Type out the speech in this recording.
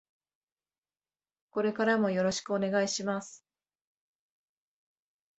これからもよろしくお願いします。